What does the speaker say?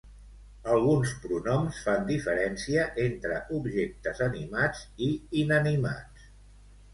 Alguns pronoms fan diferència entre objectes animats i inanimats.